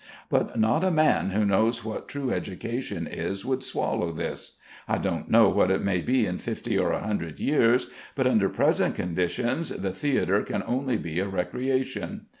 But not a man who knows what true education is would swallow this. I don't know what it may be in fifty or a hundred years, but under present conditions the theatre can only be a recreation.